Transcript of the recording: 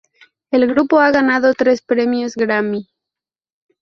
El grupo ha ganado tres Premios Grammy.